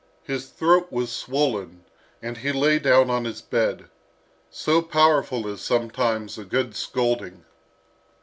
His throat was swollen, and he lay down on his bed. So powerful is sometimes a good scolding!